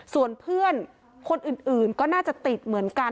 ส่วนเพื่อนคนอื่นก็น่าจะติดเหมือนกัน